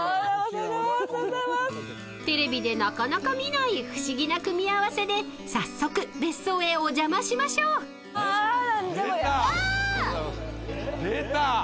［テレビでなかなか見ない不思議な組み合わせで早速別荘へお邪魔しましょう］出た。